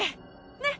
ねっ。